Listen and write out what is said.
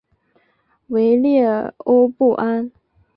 维列欧布安。